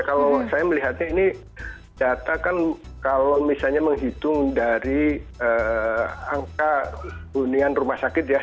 kalau saya melihatnya ini data kan kalau misalnya menghitung dari angka hunian rumah sakit ya